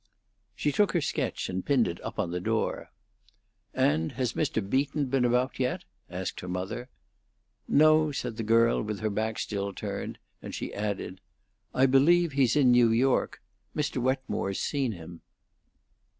She took her sketch and pinned it up on the door. "And has Mr. Beaton been about, yet?" asked her mother. "No," said the girl, with her back still turned; and she added, "I believe he's in New York; Mr. Wetmore's seen him."